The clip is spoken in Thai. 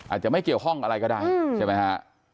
อาจจะไม่เกี่ยวข้องอะไรก็ได้ใช่ไหมฮะ